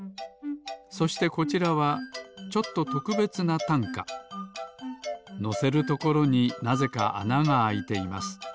そしてこちらはちょっととくべつなたんかのせるところになぜかあながあいています。